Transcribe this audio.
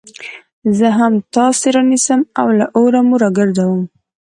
زه هم تاسي رانيسم او له اوره مو راگرځوم